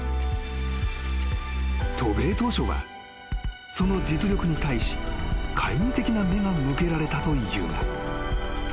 ［渡米当初はその実力に対し懐疑的な目が向けられたというが］